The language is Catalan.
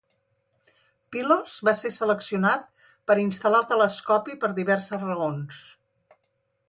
Pylos va ser seleccionat per instal·lar el telescopi per diverses raons.